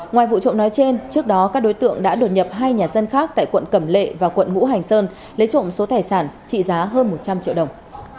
ngoài vụ trộm nói trên trước đó các đối tượng đã đột nhập hai nhà dân khác tại quận cẩm lệ và quận ngũ hành sơn lấy trộm số tài sản trị giá hơn một trăm linh triệu đồng